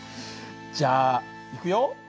じゃあいくよ。